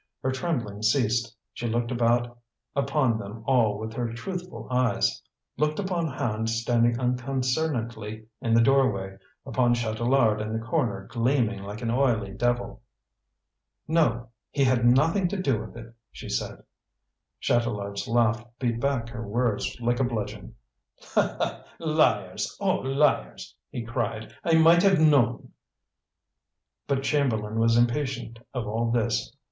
Her trembling ceased; she looked about upon them all with her truthful eyes; looked upon Hand standing unconcernedly in the doorway, upon Chatelard in the corner gleaming like an oily devil. "No he had nothing to do with it," she said. Chatelard's laugh beat back her words like a bludgeon. "Liars, all liars!" he cried. "I might have known!" But Chamberlain was impatient of all this.